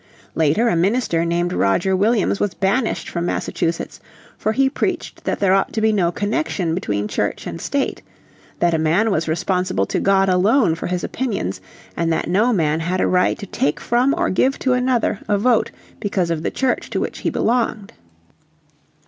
Later a minister named Roger Williams was banished from Massachusetts, for he preached that there ought to be no connection between Church and State; that a man was responsible to God alone for his opinions; and that no man had a right to take from or give to another a vote because of the Church to which he belonged.